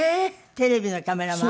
テレビのカメラマン？